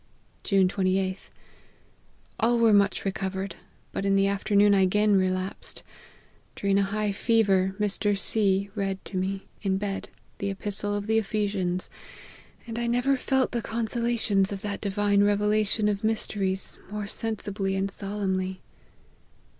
" June 2&th. All were much recovered, but in the afternoon I again relapsed. During a high fever, Mr. C read to me, in bed, the epistle to the Ephesians, and I never felt the consolations of that divine revelation of mysteries more sensibly and solemnly.